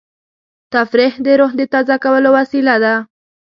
تفریح د روح د تازه کولو وسیله ده.